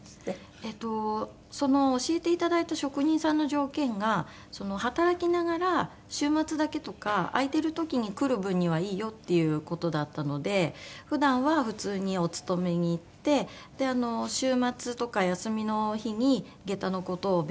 えっとその教えていただいた職人さんの条件が働きながら週末だけとか空いてる時に来る分にはいいよっていう事だったので普段は普通にお勤めに行って週末とか休みの日に下駄の事を勉強するっていう。